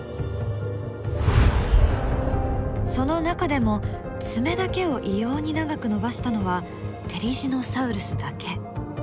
その中でも爪だけを異様に長く伸ばしたのはテリジノサウルスだけ。